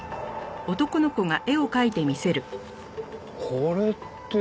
これって。